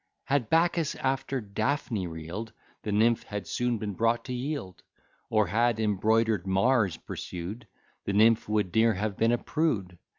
Had Bacchus after Daphne reel'd, The nymph had soon been brought to yield; Or, had embroider'd Mars pursued, The nymph would ne'er have been a prude.